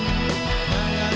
gak lupa bawa helm